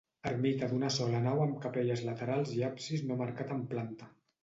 Ermita d'una sola nau amb capelles laterals i absis no marcat en planta.